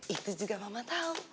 itu juga mama tau